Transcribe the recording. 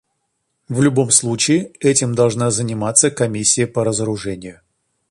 В любом случае этим должна заниматься Комиссия по разоружению.